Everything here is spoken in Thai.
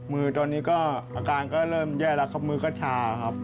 มือตอนนี้ก็อาการก็เริ่มแย่แล้วครับมือก็ชาครับ